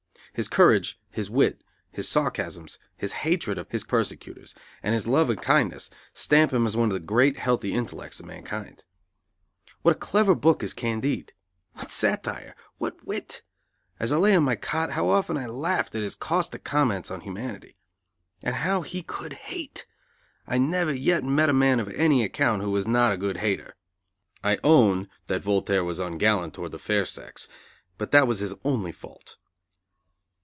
His courage, his wit, his sarcasms, his hatred of his persecutors, and his love and kindness, stamp him as one of the great, healthy intellects of mankind. What a clever book is Candide! What satire! What wit! As I lay on my cot how often I laughed at his caustic comments on humanity! And how he could hate! I never yet met a man of any account who was not a good hater. I own that Voltaire was ungallant toward the fair sex. But that was his only fault.